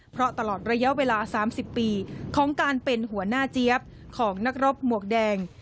เพราะตลอดระยะเวลา๓๐ปีของการเป็นหัวหน้าเจี๊ยบของนักรบหมวกแดง